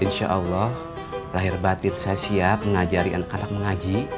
insya allah lahir batin saya siap mengajari anak anak mengaji